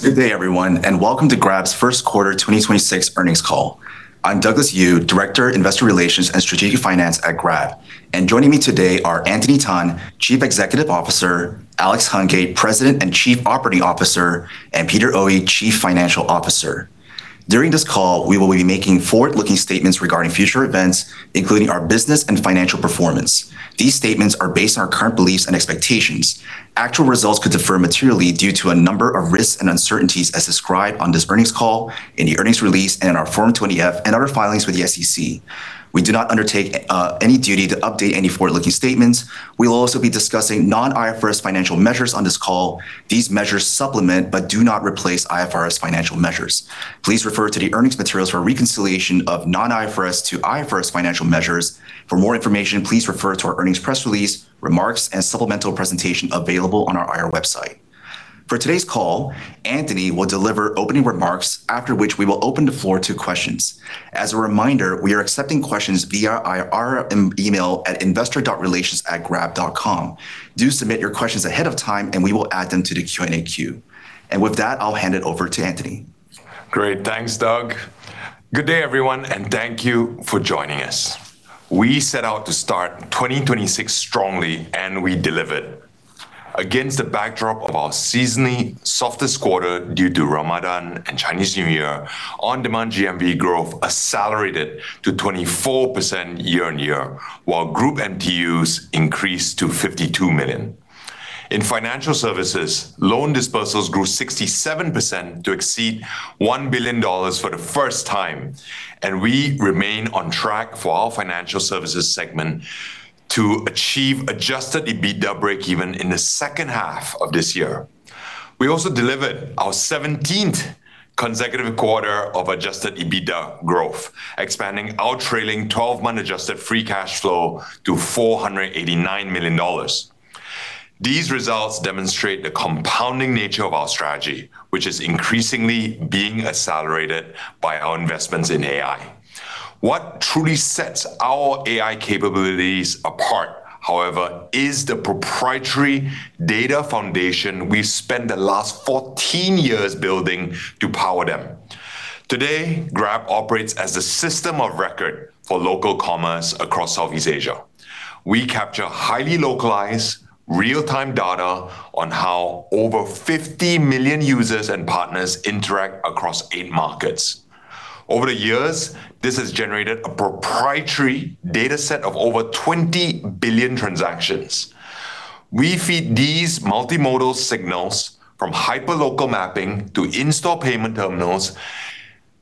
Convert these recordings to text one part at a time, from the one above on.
Good day everyone, welcome to Grab's first quarter 2026 earnings call. I'm Douglas Eu, Director, Investor Relations and Strategic Finance at Grab. Joining me today are Anthony Tan, Chief Executive Officer, Alex Hungate, President and Chief Operating Officer, and Peter Oey, Chief Financial Officer. During this call, we will be making forward-looking statements regarding future events, including our business and financial performance. These statements are based on our current beliefs and expectations. Actual results could differ materially due to a number of risks and uncertainties as described on this earnings call, in the earnings release, and in our Form 20-F and other filings with the SEC. We do not undertake any duty to update any forward-looking statements. We will also be discussing non-IFRS financial measures on this call. These measures supplement but do not replace IFRS financial measures. Please refer to the earnings materials for a reconciliation of non-IFRS to IFRS financial measures. For more information, please refer to our earnings press release, remarks, and supplemental presentation available on our IR website. For today's call, Anthony will deliver opening remarks after which we will open the floor to questions. As a reminder, we are accepting questions via our email at investor.relations@grab.com. Do submit your questions ahead of time, and we will add them to the Q&A queue. With that, I'll hand it over to Anthony. Great. Thanks, Doug. Good day everyone, and thank you for joining us. We set out to start 2026 strongly, and we delivered. Against the backdrop of our seasonally softest quarter due to Ramadan and Chinese New Year, on-demand GMV growth accelerated to 24% year-on-year, while group MTUs increased to 52 million. In financial services, loan disbursements grew 67% to exceed $1 billion for the first time, and we remain on track for our financial services segment to achieve adjusted EBITDA breakeven in the second half of this year. We also delivered our 17th consecutive quarter of adjusted EBITDA growth, expanding our trailing 12-month Adjusted Free Cash Flow to $489 million. These results demonstrate the compounding nature of our strategy, which is increasingly being accelerated by our investments in AI. What truly sets our AI capabilities apart, however, is the proprietary data foundation we spent the last 14 years building to power them. Today, Grab operates as the system of record for local commerce across Southeast Asia. We capture highly localized real-time data on how over 50 million users and partners interact across eight markets. Over the years, this has generated a proprietary data set of over 20 billion transactions. We feed these multimodal signals from hyperlocal mapping to in-store payment terminals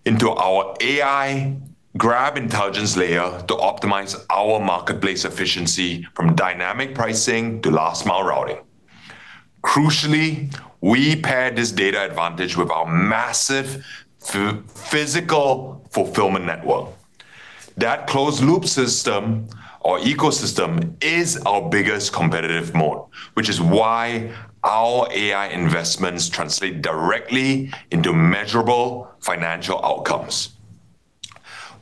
into our AI Grab Intelligence Layer to optimize our marketplace efficiency from dynamic pricing to last mile routing. Crucially, we pair this data advantage with our massive physical fulfillment network. That closed-loop system or ecosystem is our biggest competitive mode, which is why our AI investments translate directly into measurable financial outcomes.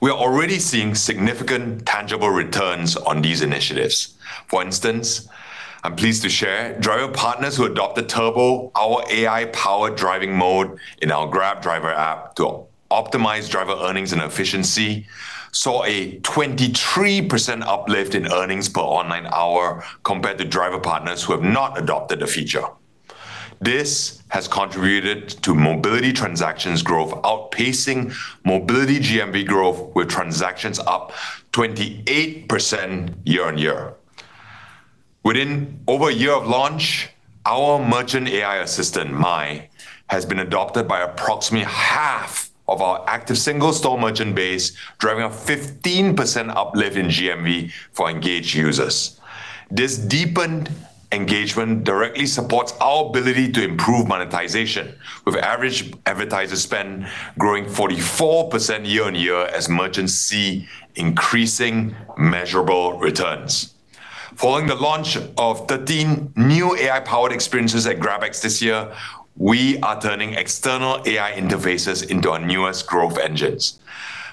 We are already seeing significant tangible returns on these initiatives. For instance, I am pleased to share driver partners who adopted Turbo, our AI-powered driving mode in our Grab Driver app to optimize driver earnings and efficiency, saw a 23% uplift in earnings per online hour compared to driver partners who have not adopted the feature. This has contributed to mobility transactions growth outpacing mobility GMV growth with transactions up 28% year-on-year. Within over one year of launch, our Merchant AI Assistant, MAI, has been adopted by approximately half of our active single-store merchant base, driving a 15% uplift in GMV for engaged users. This deepened engagement directly supports our ability to improve monetization, with average advertiser spend growing 44% year-on-year as merchants see increasing measurable returns. Following the launch of 13 new AI-powered experiences at GrabX this year, we are turning external AI interfaces into our newest growth engines.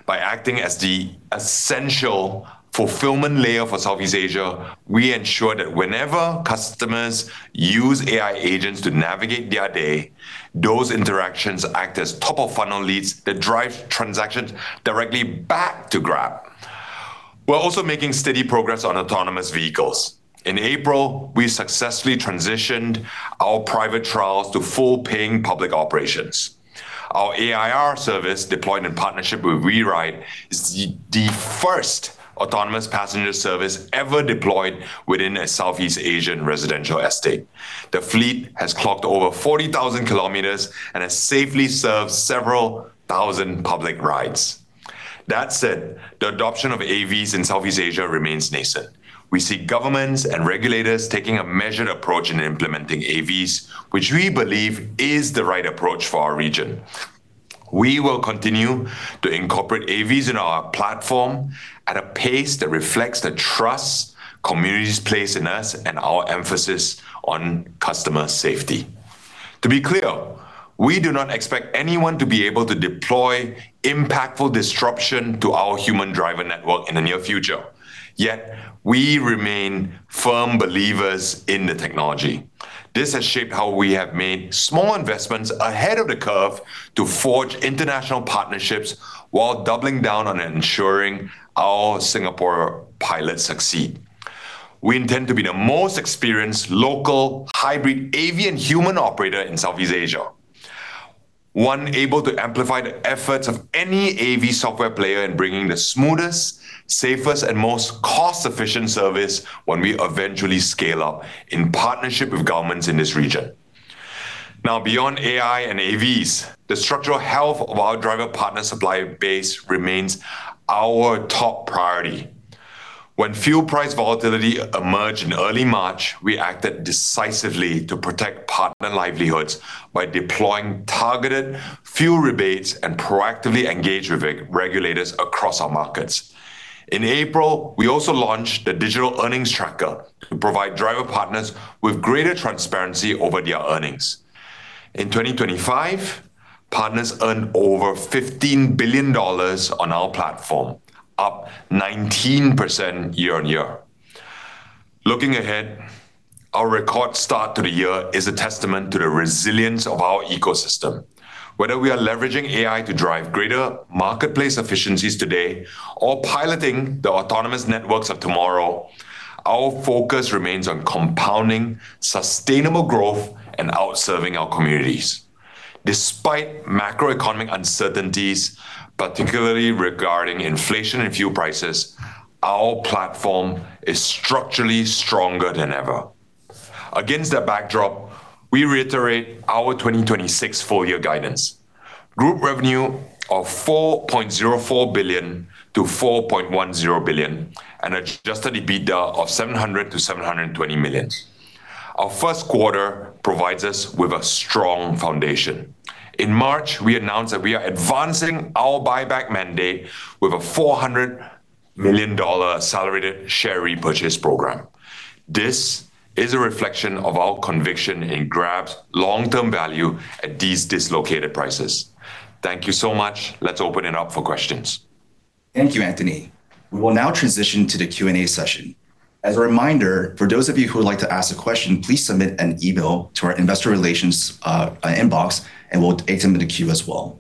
By acting as the essential fulfillment layer for Southeast Asia, we ensure that whenever customers use AI agents to navigate their day, those interactions act as top-of-funnel leads that drive transactions directly back to Grab. We're also making steady progress on autonomous vehicles. In April, we successfully transitioned our private trials to full paying public operations. Our Ai.R service, deployed in partnership with WeRide, is the first autonomous passenger service ever deployed within a Southeast Asian residential estate. The fleet has clocked over 40,000 km and has safely served several thousand public rides. That said, the adoption of AVs in Southeast Asia remains nascent. We see governments and regulators taking a measured approach in implementing AVs, which we believe is the right approach for our region. We will continue to incorporate AVs in our platform at a pace that reflects the trust communities place in us and our emphasis on customer safety. To be clear, we do not expect anyone to be able to deploy impactful disruption to our human driver network in the near future. Yet we remain firm believers in the technology. This has shaped how we have made small investments ahead of the curve to forge international partnerships while doubling down on ensuring our Singapore pilots succeed. We intend to be the most experienced local hybrid AV and human operator in Southeast Asia. One able to amplify the efforts of any AV software player in bringing the smoothest, safest, and most cost-efficient service when we eventually scale up in partnership with governments in this region. Beyond AI and AVs, the structural health of our driver partner supply base remains our top priority. When fuel price volatility emerged in early March, we acted decisively to protect partner livelihoods by deploying targeted fuel rebates and proactively engage with regulators across our markets. In April, we also launched the digital earnings tracker to provide driver partners with greater transparency over their earnings. In 2025, partners earned over $15 billion on our platform, up 19% year-on-year. Looking ahead, our record start to the year is a testament to the resilience of our ecosystem. Whether we are leveraging AI to drive greater marketplace efficiencies today or piloting the autonomous networks of tomorrow, our focus remains on compounding sustainable growth and out-serving our communities. Despite macroeconomic uncertainties, particularly regarding inflation and fuel prices, our platform is structurally stronger than ever. Against that backdrop, we reiterate our 2026 full year guidance. Group revenue of $4.04 billion-$4.10 billion, and adjusted EBITDA of $700 million-$720 million. Our first quarter provides us with a strong foundation. In March, we announced that we are advancing our buyback mandate with a $400 million accelerated share repurchase program. This is a reflection of our conviction in Grab's long-term value at these dislocated prices. Thank you so much. Let's open it up for questions. Thank you, Anthony. We will now transition to the Q&A session. As a reminder, for those of you who would like to ask a question, please submit an email to our Investor Relations inbox, and we'll take them in the queue as well.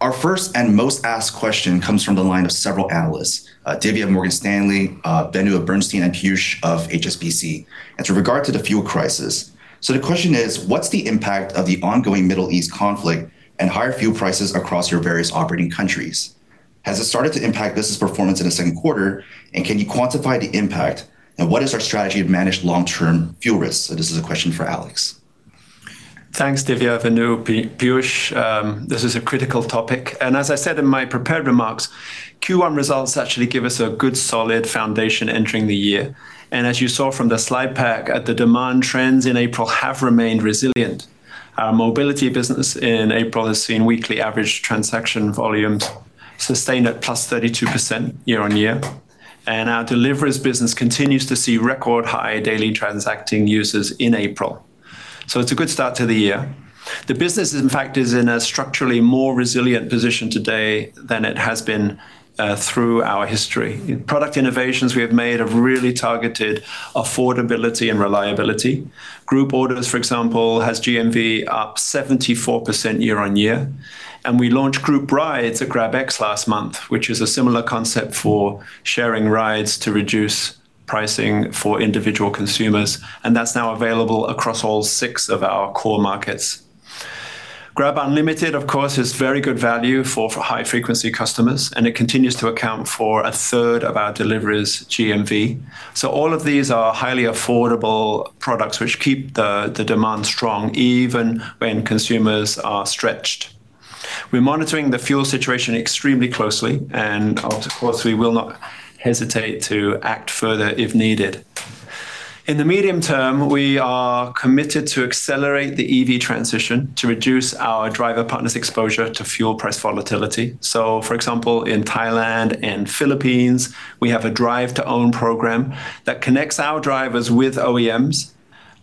Our first and most asked question comes from the line of several analysts, Divya of Morgan Stanley, Venu of Bernstein, and Piyush of HSBC. It's with regard to the fuel crisis. The question is: What's the impact of the ongoing Middle East conflict and higher fuel prices across your various operating countries? Has it started to impact business performance in the second quarter, and can you quantify the impact, and what is our strategy to manage long-term fuel risks? This is a question for Alex. Thanks, Divya, Venu, Piyush. This is a critical topic. As I said in my prepared remarks, Q1 results actually give us a good, solid foundation entering the year. As you saw from the slide pack, the demand trends in April have remained resilient. Our mobility business in April has seen weekly average transaction volumes sustained at +32% year-on-year. Our deliveries business continues to see record high daily transacting users in April. It's a good start to the year. The business, in fact, is in a structurally more resilient position today than it has been through our history. Product innovations we have made have really targeted affordability and reliability. Group Order, for example, has GMV up 74% year-on-year. We launched Group Rides at GrabX last month, which is a similar concept for sharing rides to reduce pricing for individual consumers. That's now available across all six of our core markets. GrabUnlimited, of course, is very good value for high-frequency customers. It continues to account for a third of our deliveries GMV. All of these are highly affordable products which keep the demand strong even when consumers are stretched. We're monitoring the fuel situation extremely closely. Of course, we will not hesitate to act further if needed. In the medium-term, we are committed to accelerate the EV transition to reduce our driver partners' exposure to fuel price volatility. For example, in Thailand and Philippines, we have a drive-to-own program that connects our drivers with OEMs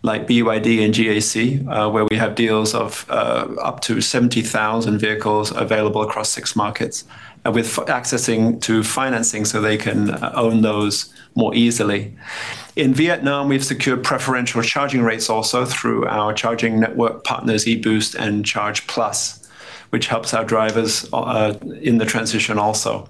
like BYD and GAC, where we have deals of up to 70,000 vehicles available across six markets, with accessing to financing so they can own those more easily. In Vietnam, we've secured preferential charging rates also through our charging network partners, EBOOST and Charge+, which helps our drivers in the transition also.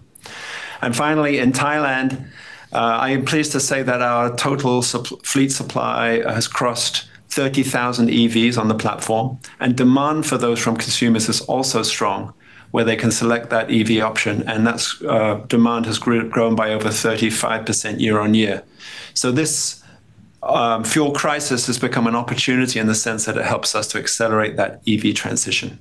Finally, in Thailand, I am pleased to say that our total sub-fleet supply has crossed 30,000 EVs on the platform, and demand for those from consumers is also strong, where they can select that EV option, and that demand has grown by over 35% year-on-year. This fuel crisis has become an opportunity in the sense that it helps us to accelerate that EV transition.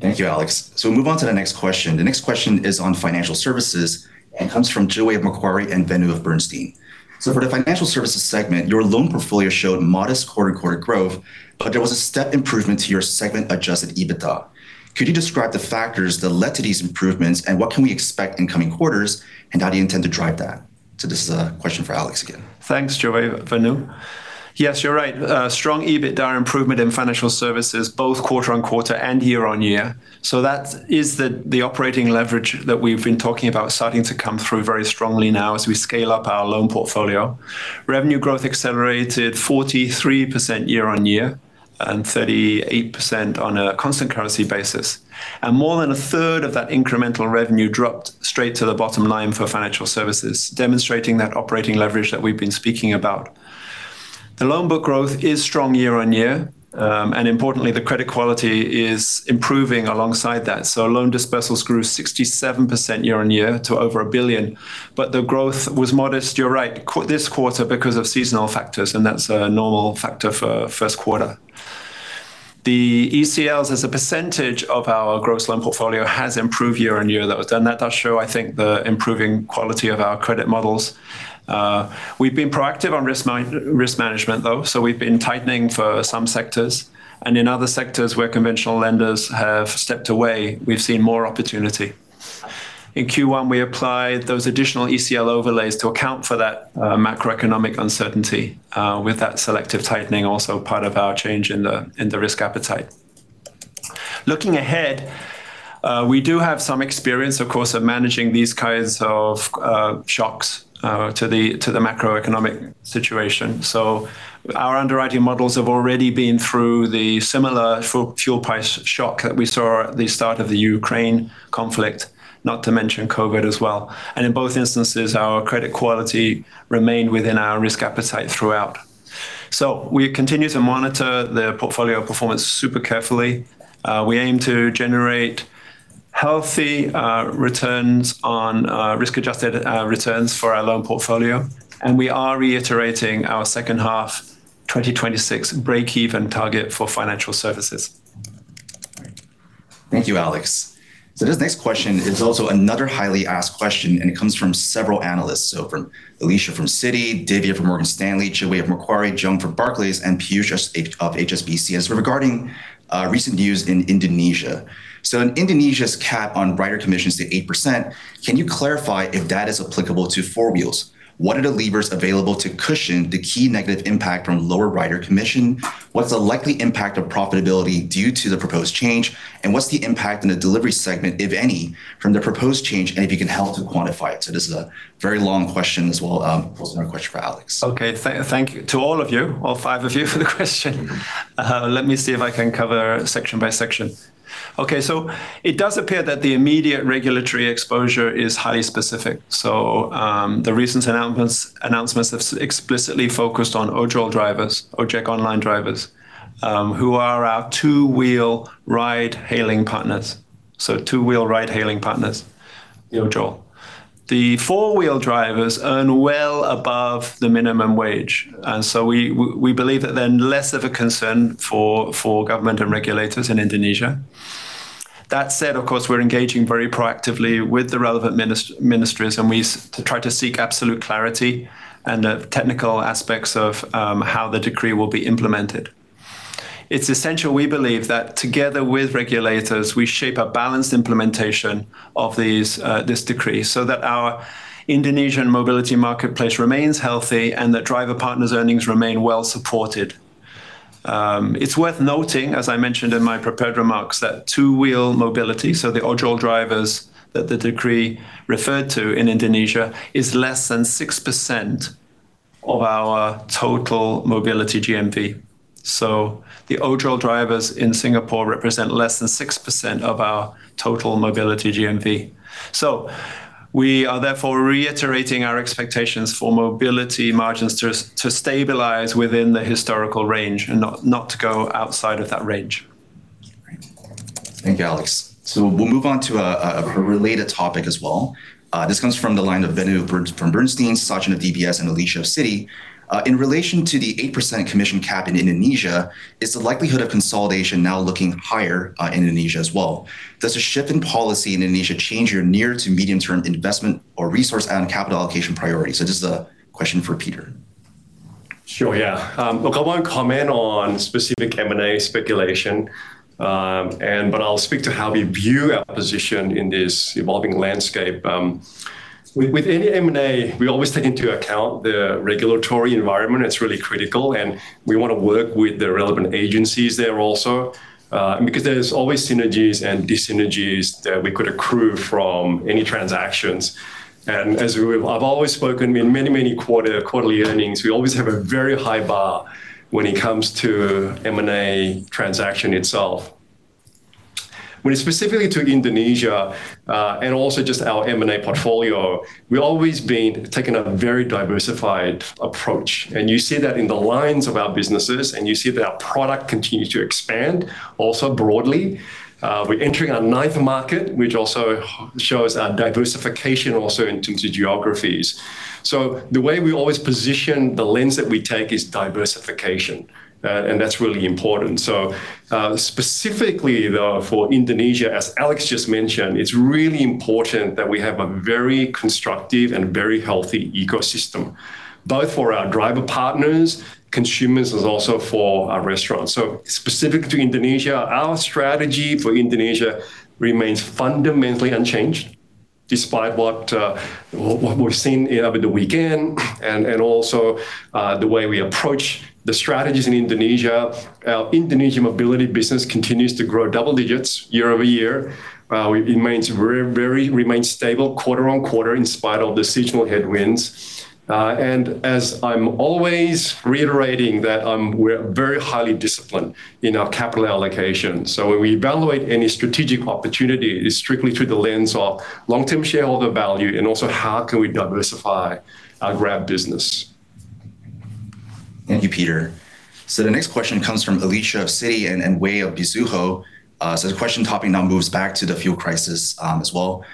Thank you, Alex. We move on to the next question. The next question is on financial services and comes from Joey of Macquarie and Venu of Bernstein. For the financial services segment, your loan portfolio showed modest quarter-on-quarter growth, but there was a step improvement to your segment-adjusted EBITDA. Could you describe the factors that led to these improvements, and what can we expect in coming quarters, and how do you intend to drive that? This is a question for Alex again. Thanks, Joey, Venu. Yes, you're right. Strong EBITDA improvement in financial services both quarter-on-quarter and year-on-year. That is the operating leverage that we've been talking about starting to come through very strongly now as we scale up our loan portfolio. Revenue growth accelerated 43% year-on-year and 38% on a constant currency basis. More than a third of that incremental revenue dropped straight to the bottom line for financial services, demonstrating that operating leverage that we've been speaking about. The loan book growth is strong year-on-year. Importantly, the credit quality is improving alongside that. Loan dispersals grew 67% year-on-year to over $1 billion. The growth was modest, you're right, this quarter because of seasonal factors, and that's a normal factor for first quarter. The ECLs as a percentage of our gross loan portfolio has improved year on year, though, and that does show, I think, the improving quality of our credit models. We've been proactive on risk management though, so we've been tightening for some sectors. In other sectors where conventional lenders have stepped away, we've seen more opportunity. In Q1, we applied those additional ECL overlays to account for that macroeconomic uncertainty with that selective tightening also part of our change in the, in the risk appetite. Looking ahead, we do have some experience, of course, of managing these kinds of shocks to the, to the macroeconomic situation. Our underwriting models have already been through the similar fuel price shock that we saw at the start of the Ukraine conflict, not to mention COVID as well. In both instances, our credit quality remained within our risk appetite throughout. We continue to monitor the portfolio performance super carefully. We aim to generate healthy returns on risk-adjusted returns for our loan portfolio, and we are reiterating our second half 2026 break-even target for Financial Services. All right. Thank you, Alex. This next question is also another highly asked question, and it comes from several analysts. From Alicia from Citi, Divya from Morgan Stanley, Che-Wei of Macquarie, Jiong from Barclays, and Piyush of HSBC. Regarding recent news in Indonesia. In Indonesia's cap on rider commissions to 8%, can you clarify if that is applicable to 4-Wheels? What are the levers available to cushion the key negative impact from lower rider commission? What's the likely impact of profitability due to the proposed change? What's the impact in the delivery segment, if any, from the proposed change, and if you can help to quantify it? This is a very long question, as well. Also another question for Alex. Okay. Thank you to all of you, all five of you for the question. Let me see if I can cover section by section. Okay. It does appear that the immediate regulatory exposure is highly specific. The recent announcements have explicitly focused on ojol drivers, ojek online drivers, who are our 2-wheel ride-hailing partners. 2-wheel ride-hailing partners, the ojol. The 4-Wheel drivers earn well above the minimum wage. We believe that they're less of a concern for government and regulators in Indonesia. That said, of course, we're engaging very proactively with the relevant ministries, and we try to seek absolute clarity and the technical aspects of how the decree will be implemented. It's essential, we believe, that together with regulators, we shape a balanced implementation of these, this decree, so that our Indonesian mobility marketplace remains healthy and that driver-partners' earnings remain well supported. It's worth noting, as I mentioned in my prepared remarks, that 2-Wheel mobility, so the ojol drivers that the decree referred to in Indonesia, is less than 6% of our total mobility GMV. The ojol drivers in Singapore represent less than 6% of our total mobility GMV. We are therefore reiterating our expectations for mobility margins to stabilize within the historical range and not to go outside of that range. Great. Thank you, Alex. We'll move on to a related topic as well. This comes from the line of Venu from Bernstein, Sachin of DBS, and Alicia of Citi. In relation to the 8% commission cap in Indonesia, is the likelihood of consolidation now looking higher in Indonesia as well? Does a shift in policy in Indonesia change your near to medium-term investment or resource and capital allocation priorities? Just a question for Peter. Sure, yeah. Look, I won't comment on specific M&A speculation, but I'll speak to how we view our position in this evolving landscape. With any M&A, we always take into account the regulatory environment. It's really critical, and we wanna work with the relevant agencies there also, because there's always synergies and dis-synergies that we could accrue from any transactions. As I've always spoken in many quarterly earnings, we always have a very high bar when it comes to M&A transaction itself. When it's specifically to Indonesia, and also just our M&A portfolio, we've always been taking a very diversified approach. You see that in the lines of our businesses, and you see that our product continues to expand also broadly. We're entering our ninth market, which also shows our diversification also into geographies. The way we always position the lens that we take is diversification, and that's really important. Specifically though for Indonesia, as Alex just mentioned, it's really important that we have a very constructive and very healthy ecosystem, both for our driver partners, consumers, as also for our restaurants. Specifically to Indonesia, our strategy for Indonesia remains fundamentally unchanged despite what we're seeing over the weekend and also, the way we approach the strategies in Indonesia, our Indonesia mobility business continues to grow double digits year-over-year. It remains very stable quarter-on-quarter in spite of the seasonal headwinds. As I'm always reiterating that we're very highly disciplined in our capital allocation. When we evaluate any strategic opportunity, it is strictly through the lens of long-term shareholder value, and also how can we diversify our Grab business. Thank you, Peter. The next question comes from Alicia of Citi and Wei of Mizuho. The question topic now moves back to the fuel crisis as well.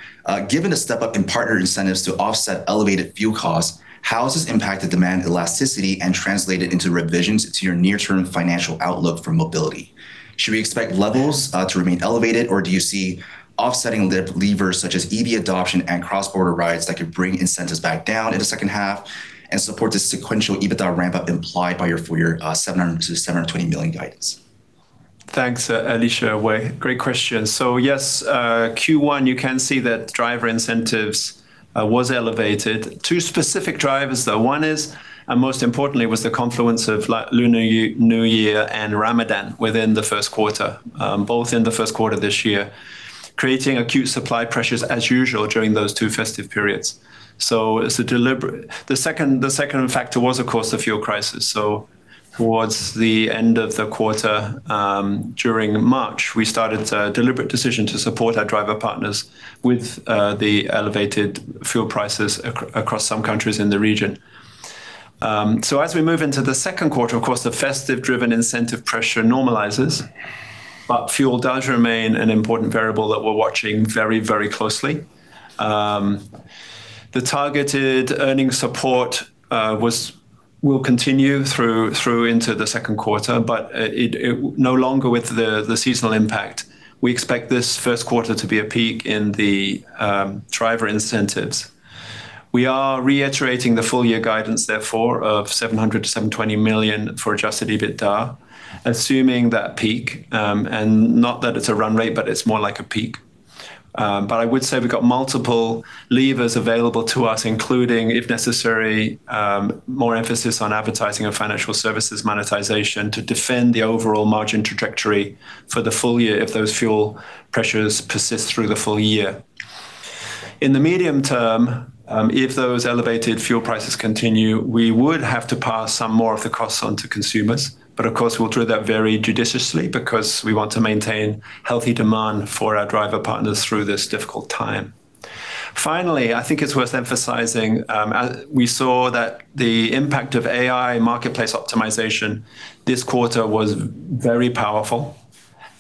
Given the step-up in partner incentives to offset elevated fuel costs, how has this impacted demand elasticity and translated into revisions to your near-term financial outlook for mobility? Should we expect levels to remain elevated, or do you see offsetting levers such as EV adoption and cross-border rides that could bring incentives back down in the second half and support the sequential EBITDA ramp-up implied by your full-year $700 million-$720 million guidance? Thanks, Alicia and Wei. Great question. Yes, Q1, you can see that driver incentives was elevated. Two specific drivers, though. One is, and most importantly, was the confluence of Lunar New Year and Ramadan within the first quarter, both in the first quarter this year, creating acute supply pressures as usual during those two festive periods. It's a deliberate. The second factor was, of course, the fuel crisis. Towards the end of the quarter, during March, we started a deliberate decision to support our driver partners with the elevated fuel prices across some countries in the region. As we move into the second quarter, of course, the festive-driven incentive pressure normalizes, but fuel does remain an important variable that we're watching very, very closely. The targeted earnings support will continue into the second quarter, no longer with the seasonal impact. We expect this first quarter to be a peak in the driver incentives. We are reiterating the full-year guidance, therefore, of $700 million-$720 million for adjusted EBITDA, assuming that peak, and not that it's a run rate, but it's more like a peak. I would say we've got multiple levers available to us, including, if necessary, more emphasis on advertising and financial services monetization to defend the overall margin trajectory for the full year if those fuel pressures persist through the full year. In the medium-term, if those elevated fuel prices continue, we would have to pass some more of the costs on to consumers. Of course, we'll do that very judiciously because we want to maintain healthy demand for our driver-partners through this difficult time. Finally, I think it's worth emphasizing, as we saw that the impact of AI marketplace optimization this quarter was very powerful,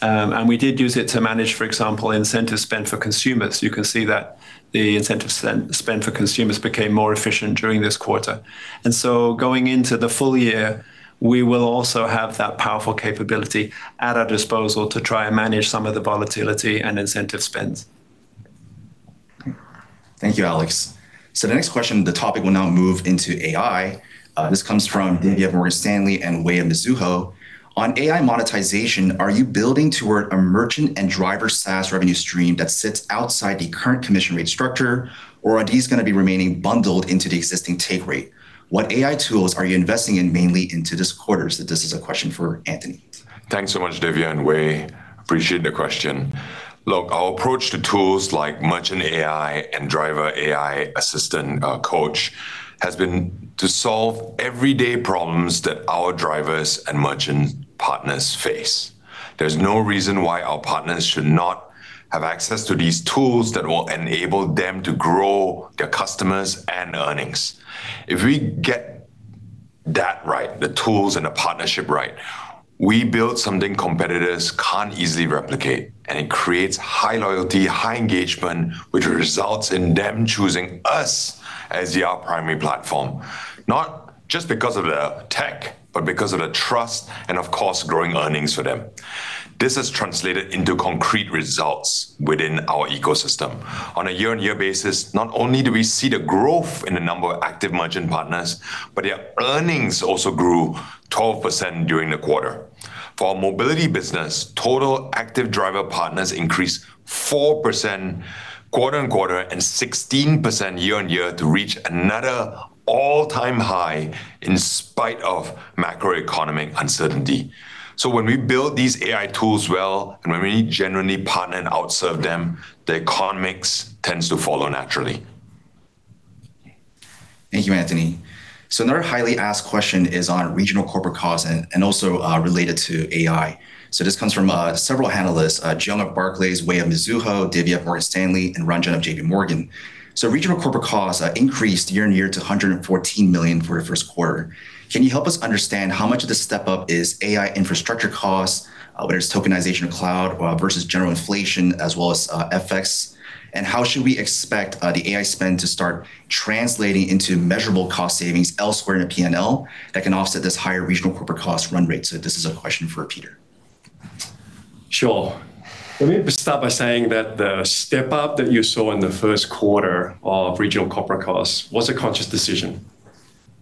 and we did use it to manage, for example, incentive spend for consumers. You can see that the incentive spend for consumers became more efficient during this quarter. Going into the full year, we will also have that powerful capability at our disposal to try and manage some of the volatility and incentive spends. Thank you, Alex. The next question, the topic will now move into AI. This comes from Divya of Morgan Stanley and Wei of Mizuho. On AI monetization, are you building toward a merchant and driver SaaS revenue stream that sits outside the current commission rate structure, or are these going to be remaining bundled into the existing take rate? What AI tools are you investing in mainly into this quarter? This is a question for Anthony. Thanks so much, Divya and Wei. Appreciate the question. Look, our approach to tools like Merchant AI and Driver AI Assistant, Coach, has been to solve everyday problems that our drivers and merchant partners face. There is no reason why our partners should not have access to these tools that will enable them to grow their customers and earnings. If we get that right, the tools and the partnership right, we build something competitors can't easily replicate, and it creates high loyalty, high engagement, which results in them choosing us as their primary platform. Not just because of the tech, but because of the trust and, of course, growing earnings for them. This has translated into concrete results within our ecosystem. On a year-on-year basis, not only do we see the growth in the number of active merchant partners, but their earnings also grew 12% during the quarter. For our mobility business, total active driver partners increased 4% quarter-on-quarter and 16% year-on-year to reach another all-time high in spite of macroeconomic uncertainty. When we build these AI tools well, and when we genuinely partner and outserve them, the economics tends to follow naturally. Thank you, Anthony. Another highly asked question is on regional corporate costs and also related to AI. This comes from several analysts, Jiong of Barclays, Wei of Mizuho, Divya of Morgan Stanley, and Ranjan of JPMorgan. Regional corporate costs increased year on year to $114 million for the first quarter. Can you help us understand how much of this step-up is AI infrastructure costs, whether it's tokenization or cloud, versus general inflation, as well as FX? How should we expect the AI spend to start translating into measurable cost savings elsewhere in the P&L that can offset this higher regional corporate cost run rate? This is a question for Peter. Sure. Let me start by saying that the step-up that you saw in the first quarter of regional corporate costs was a conscious decision.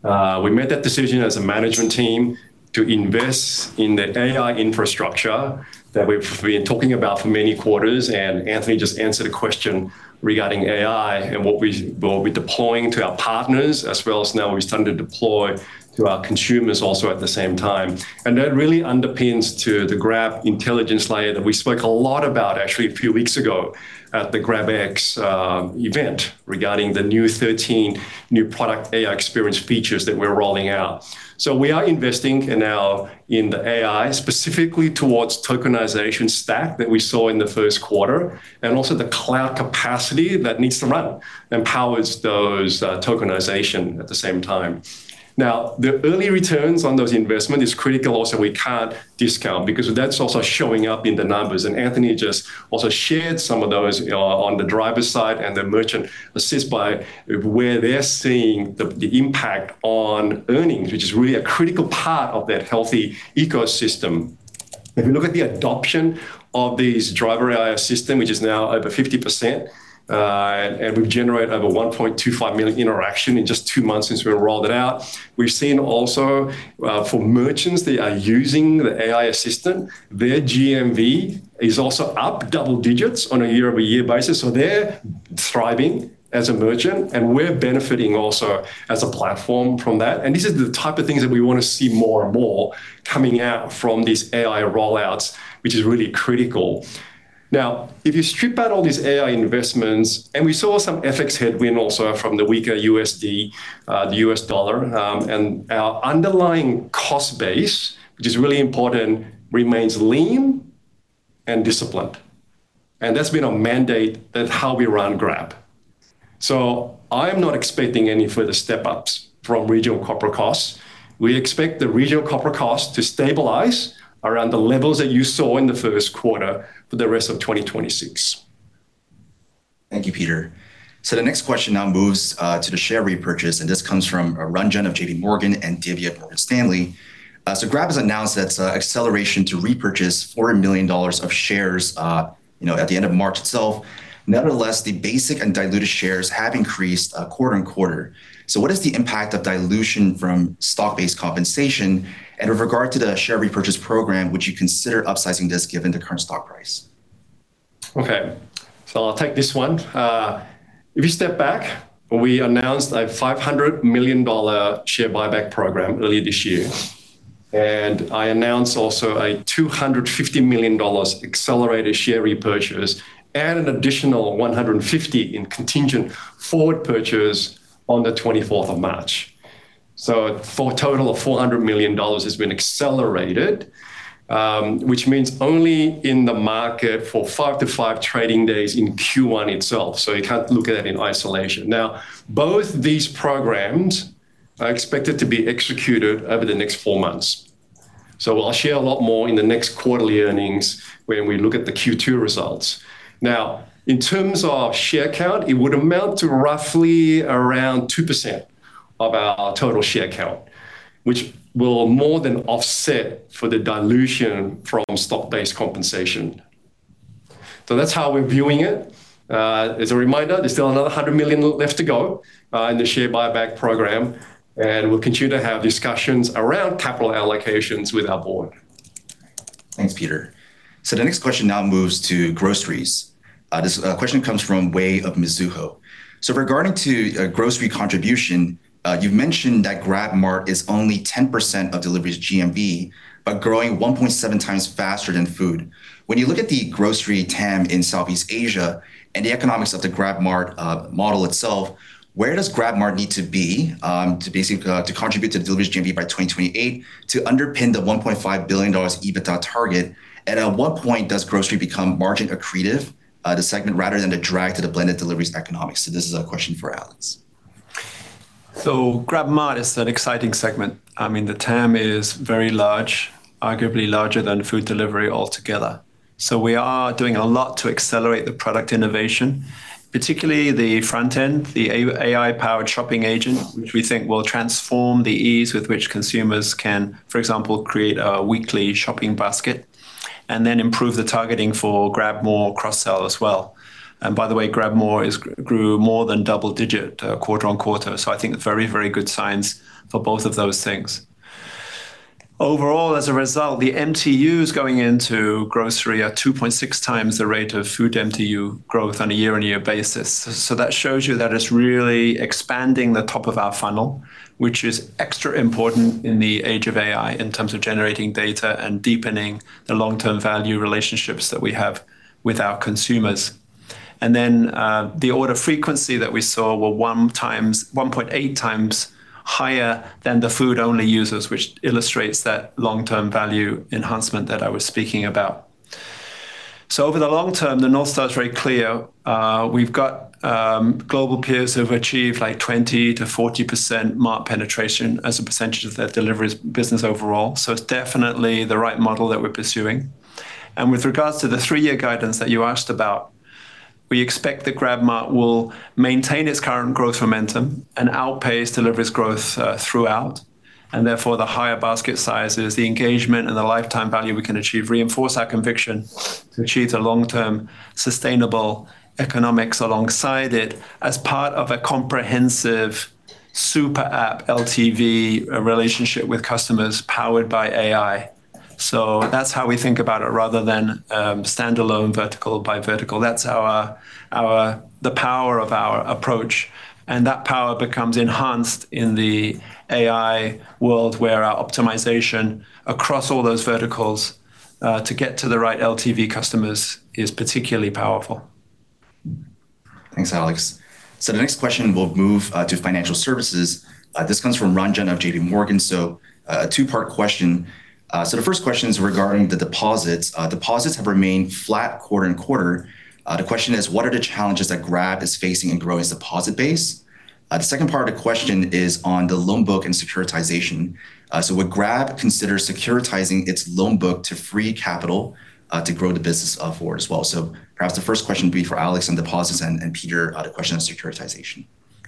We made that decision as a management team to invest in the AI infrastructure that we've been talking about for many quarters, Anthony just answered a question regarding AI and what we're deploying to our partners, as well as now we're starting to deploy to our consumers also at the same time. That really underpins to the Grab Intelligence Layer that we spoke a lot about actually a few weeks ago at the GrabX event regarding the new 13 new product AI experience features that we're rolling out. We are investing in our, in the AI, specifically towards tokenization stack that we saw in the first quarter, and also the cloud capacity that needs to run and powers those tokenization at the same time. The early returns on those investment is critical. Also, we can't discount because that's also showing up in the numbers, and Anthony just also shared some of those on the driver's side and the merchant assist where they're seeing the impact on earnings, which is really a critical part of that healthy ecosystem. If you look at the adoption of these Driver AI Assistant, which is now over 50%, and we've generated over 1.25 million interactions in just two months since we rolled it out. We've seen also for merchants that are using the AI assistant, their GMV is also up double digits on a year-over-year basis. They're thriving as a merchant, and we're benefiting also as a platform from that. This is the type of things that we wanna see more and more coming out from these AI rollouts, which is really critical. Now, if you strip out all these AI investments, and we saw some FX headwind also from the weaker USD, the US dollar, and our underlying cost base, which is really important, remains lean and disciplined. That's been a mandate that how we run Grab. I'm not expecting any further step-ups from regional corporate costs. We expect the regional corporate costs to stabilize around the levels that you saw in the first quarter for the rest of 2026. Thank you, Peter. The next question now moves to the share repurchase, and this comes from Ranjan of JPMorgan and Divya of Morgan Stanley. Grab has announced its acceleration to repurchase $400 million of shares, you know, at the end of March itself. Nevertheless, the basic and diluted shares have increased quarter-on-quarter. What is the impact of dilution from stock-based compensation? With regard to the share repurchase program, would you consider upsizing this given the current stock price? Okay, I'll take this one. If you step back, we announced a $500 million share buyback program earlier this year. I announced also a $250 million accelerated share repurchase and an additional $150 million in contingent forward purchase on the 24th of March. For a total of $400 million has been accelerated, which means only in the market for five to five trading days in Q1 itself, so you can't look at it in isolation. Now, both these programs are expected to be executed over the next four months. I'll share a lot more in the next quarterly earnings when we look at the Q2 results. In terms of share count, it would amount to roughly around 2% of our total share count, which will more than offset for the dilution from stock-based compensation. That's how we're viewing it. As a reminder, there's still another $100 million left to go in the share buyback program, and we'll continue to have discussions around capital allocations with our board. Thanks, Peter. The next question now moves to groceries. This question comes from Wei of Mizuho. Regarding to a grocery contribution, you've mentioned that GrabMart is only 10% of Delivery's GMV, but growing 1.7x faster than food. When you look at the grocery TAM in Southeast Asia and the economics of the GrabMart model itself, where does GrabMart need to be to contribute to Delivery's GMV by 2028 to underpin the $1.5 billion EBITDA target? At what point does grocery become margin accretive, the segment rather than a drag to the blended Delivery's economics? This is a question for Alex. GrabMart is an exciting segment. I mean, the TAM is very large, arguably larger than food delivery altogether. We are doing a lot to accelerate the product innovation, particularly the front-end, the AI-powered shopping agent, which we think will transform the ease with which consumers can, for example, create a weekly shopping basket and then improve the targeting for GrabMore cross-sell as well. By the way, GrabMore grew more than double-digit quarter-on-quarter. I think very, very good signs for both of those things. Overall, as a result, the MTUs going into grocery are 2.6x the rate of food MTU growth on a year-on-year basis. That shows you that it's really expanding the top of our funnel, which is extra important in the age of AI in terms of generating data and deepening the long-term value relationships that we have with our consumers. The order frequency that we saw were 1.8x higher than the food-only users, which illustrates that long-term value enhancement that I was speaking about. Over the long-term, the North Star is very clear. We've got global peers who have achieved like 20%-40% Mart penetration as a percentage of their Deliveries business overall. It's definitely the right model that we're pursuing. With regards to the three-year guidance that you asked about, we expect that GrabMart will maintain its current growth momentum and outpace Deliveries growth throughout. The higher basket sizes, the engagement and the lifetime value we can achieve reinforce our conviction to achieve the long-term sustainable economics alongside it as part of a comprehensive super app LTV relationship with customers powered by AI. That's how we think about it rather than standalone vertical by vertical. That's the power of our approach, and that power becomes enhanced in the AI world where our optimization across all those verticals to get to the right LTV customers is particularly powerful. Thanks, Alex. The next question will move to financial services. This comes from Ranjan of JPMorgan, a two-part question. The first question is regarding the deposits. Deposits have remained flat quarter-on-quarter. The question is, what are the challenges that Grab is facing in growing deposit base? The second part of the question is on the loan book and securitization. Would Grab consider securitizing its loan book to free capital to grow the business forward as well? Perhaps the first question would be for Alex on deposits, and Peter, the question on securitization.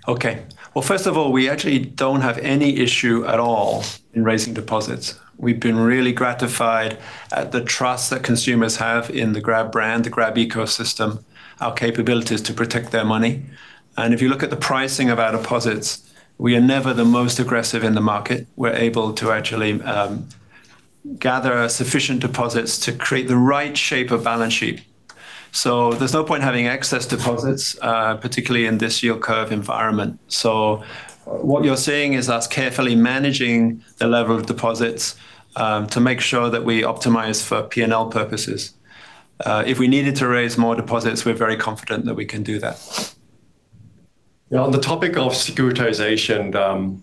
Okay. Well, first of all, we actually don't have any issue at all in raising deposits. We've been really gratified at the trust that consumers have in the Grab brand, the Grab ecosystem, our capabilities to protect their money. If you look at the pricing of our deposits, we are never the most aggressive in the market. We're able to actually gather sufficient deposits to create the right shape of balance sheet. There's no point in having excess deposits, particularly in this yield curve environment. What you're seeing is us carefully managing the level of deposits to make sure that we optimize for P&L purposes. If we needed to raise more deposits, we're very confident that we can do that. On the topic of securitization,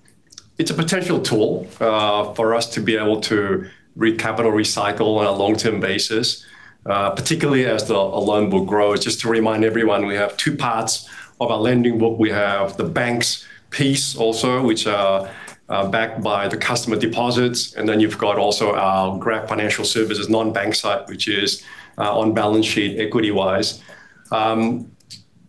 it's a potential tool for us to be able to recapital recycle on a long-term basis, particularly as our loan book grows. Just to remind everyone, we have two parts of our lending book. We have the banks piece also, which are backed by the customer deposits, and then you've got also our Grab Financial Services non-bank side, which is on balance sheet equity-wise.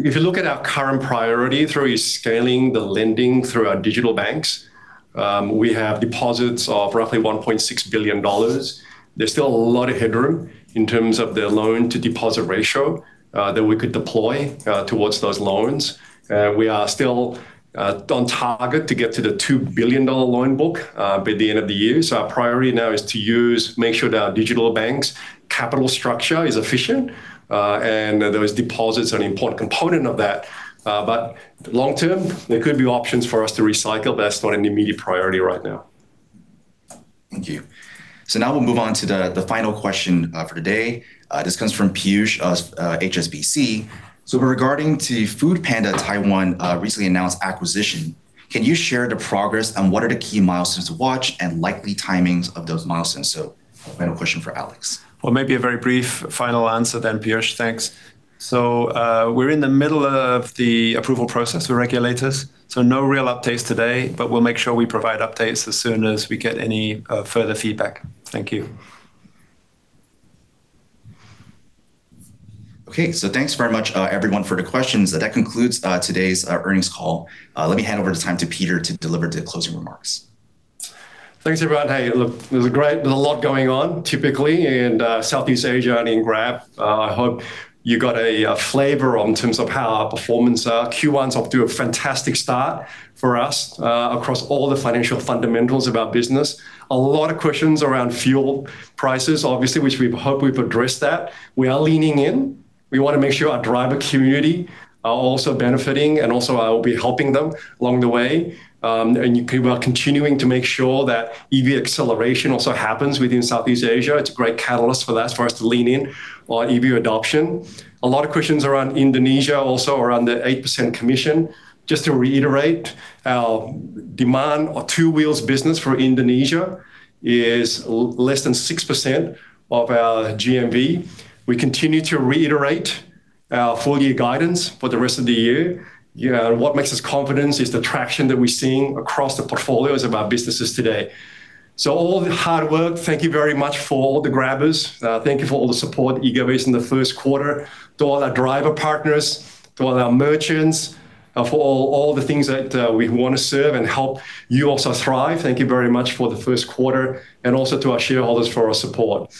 If you look at our current priority through scaling the lending through our digital banks, we have deposits of roughly $1.6 billion. There's still a lot of headroom in terms of the loan-to-deposit ratio that we could deploy towards those loans. We are still on target to get to the $2 billion loan book by the end of the year. Our priority now is to make sure that our digital banks' capital structure is efficient, and those deposits are an important component of that. Long-term, there could be options for us to recycle. That's not an immediate priority right now. Thank you. Now we'll move on to the final question for today. This comes from Piyush, HSBC. Regarding to Foodpanda, Taiwan, recently announced acquisition, can you share the progress and what are the key milestones to watch and likely timings of those milestones? Final question for Alex. Maybe a very brief final answer then, Piyush. Thanks. We're in the middle of the approval process with regulators, no real updates today, we'll make sure we provide updates as soon as we get any further feedback. Thank you. Okay. Thanks very much, everyone for the questions. That concludes today's earnings call. Let me hand over the time to Peter to deliver the closing remarks. Thanks, everyone. Hey, look, there's a lot going on typically in Southeast Asia and in Grab. I hope you got a flavor on terms of how our performance are. Q1's off to a fantastic start for us across all the financial fundamentals of our business. A lot of questions around fuel prices, obviously, which we hope we've addressed that. We are leaning in. We wanna make sure our driver community are also benefiting, and also I will be helping them along the way. We are continuing to make sure that EV acceleration also happens within Southeast Asia. It's a great catalyst for that as far as to lean in on EV adoption. A lot of questions around Indonesia, also around the 8% commission Just to reiterate, our demand or two wheels business for Indonesia is less than 6% of our GMV. We continue to reiterate our full year guidance for the rest of the year. You know, what makes us confidence is the traction that we're seeing across the portfolios of our businesses today. All the hard work, thank you very much for all the Grabbers. Thank you for all the support you gave us in the first quarter, to all our driver partners, to all our merchants, for all the things that we wanna serve and help you also thrive. Thank you very much for the first quarter, and also to our shareholders for your support.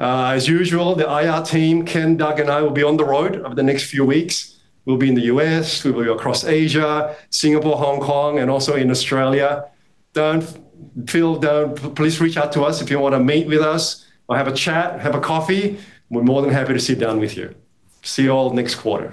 As usual, the IR team, Ken, Doug, and I will be on the road over the next few weeks. We'll be in the U.S., we'll be across Asia, Singapore, Hong Kong, and also in Australia. Please reach out to us if you wanna meet with us or have a chat, have a coffee. We're more than happy to sit down with you. See you all next quarter.